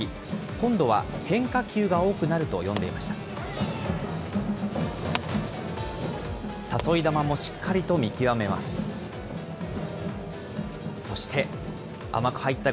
今度は変化球が多くなると読んでいました。